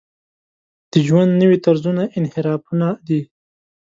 د ژوند نوي طرزونه انحرافونه دي.